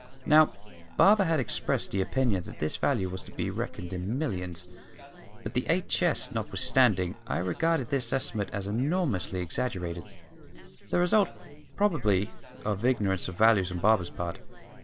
Now, Barber had expressed the opinion that this value was to be reckoned in millions; but, the eight chests notwithstanding, I regarded this estimate as enormously exaggerated, the result, probably, of ignorance of values on Barber's part.